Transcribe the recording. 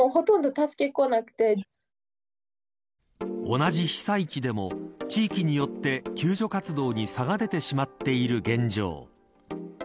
同じ被災地でも地域によって救助活動に差が出てしまっている現状。